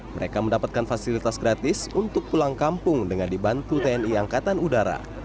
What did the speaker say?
mereka mendapatkan fasilitas gratis untuk pulang kampung dengan dibantu tni angkatan udara